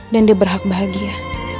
dan dia berhak bahagia